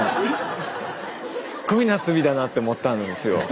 すっごいなすびだなって思ったんですよ。